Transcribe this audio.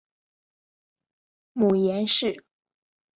母颜氏。